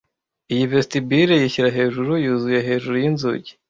iyi vestibule yishyira hejuru yuzuye hejuru yinzugi